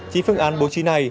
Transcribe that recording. chỉ phương án bố trí này